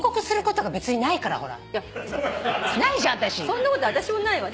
そんなこと私もないわ。